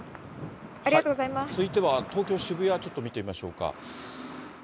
続いては東京・渋谷、ちょっと見てみましょうか。